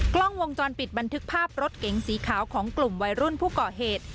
กล้องวงจรปิดบันทึกภาพรถเก๋งสีขาวของกลุ่มวัยรุ่นผู้ก่อเหตุ